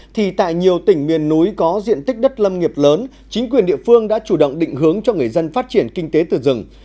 thì tại nhiều tỉnh miền núi có diện tích đất lâm nghiệp lớn chính quyền địa phương đã chủ động định hướng cho người dân phát triển kinh tế từ rừng